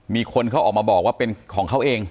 มีคนเขาออกมาบอกว่าเป็นของเขาเอง